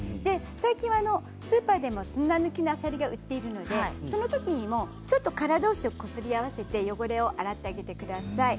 最近はスーパーでも砂抜きのあさりが売っているのでそのときにもちょっと殻どうしをこすり合わせて汚れを洗ってあげてください。